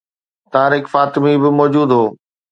طارق فاطمي به موجود هو.